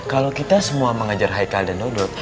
kalau kita semua mengejar haikal dan dodot